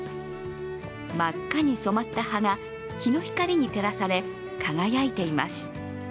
真っ赤に染まった葉が日の光に照らされ輝いています。